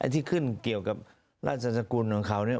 ที่ขึ้นเกี่ยวกับราชสกุลของเขาเนี่ย